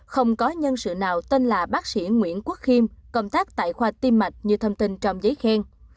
không có nhân sự nào tên là bác sĩ nguyễn quốc khiêm công tác tại khoa tiêm mạch như thông tin trong giấy khen